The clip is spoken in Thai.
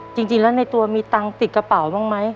จริงแล้วในตัวมีตังค์ติดกระเป๋าบ้างไหม